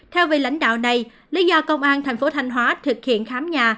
theo vị lãnh đạo này lý do công an tp thành hóa thực hiện khám nhà